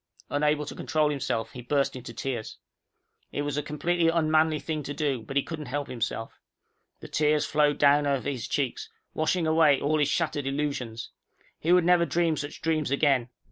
Unable to control himself, he burst into tears. It was a completely unmanly thing to do, but he couldn't help himself. The tears flowed down over his cheeks, washing away all his shattered illusions. He would never dream such dreams again.